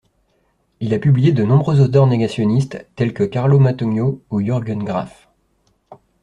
Il a publié de nombreux auteurs négationnistes tels que Carlo Mattogno ou Jürgen Graf.